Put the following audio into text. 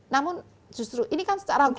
namun justru ini kan secara hukum